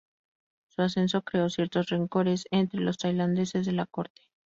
Su ascenso creó ciertos rencores entre los tailandeses de la corte.